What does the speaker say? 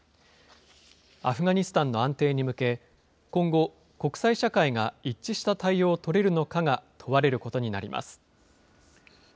アフガニスタンの安定に向け、今後、国際社会が一致した対応を取れるのかが問われることになります。